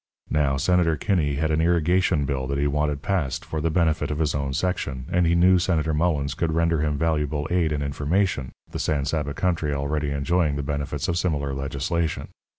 Now, Senator Kinney had an irrigation bill that he wanted passed for the benefit of his own section, and he knew Senator Mullens could render him valuable aid and information, the San Saba country already enjoying the benefits of similar legislation.